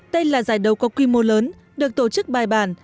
đây là giải đấu có quy mô lớn được tổ chức bài bản